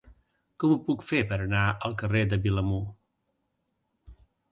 Com ho puc fer per anar al carrer de Vilamur?